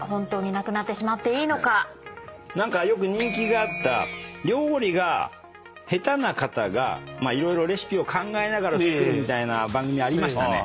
何かよく人気があった料理が下手な方が色々レシピを考えながら作るみたいな番組ありましたね。